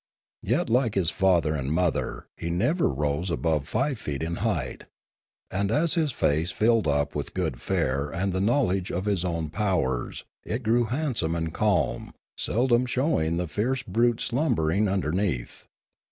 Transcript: Yet like his father and mother he never rose above five feet in height; and as his face filled up with good fare and the know ledge of his own powers it grew handsome and calm, seldom showing the fierce brute slumbering under neath.